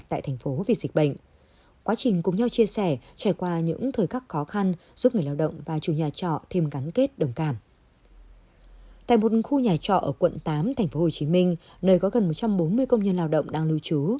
tại trọ ở quận tám tp hcm nơi có gần một trăm bốn mươi công nhân lao động đang lưu trú